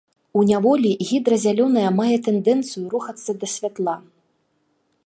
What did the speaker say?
У няволі гідра зялёная мае тэндэнцыю рухацца да святла.